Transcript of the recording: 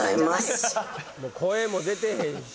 声も出てへんし。